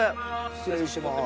失礼します。